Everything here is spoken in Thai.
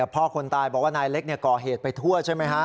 คนตายบอกว่านายเล็กก่อเหตุไปทั่วใช่ไหมฮะ